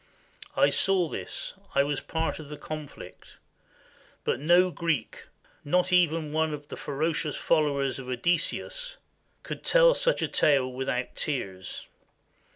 I saw this, I was a part of the conflict; but no Greek, not even one of the ferocious followers of Odysseus, could tell such a tale without tears.